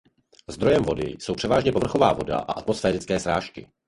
Zdrojem vody jsou převážně povrchová voda a atmosférické srážky.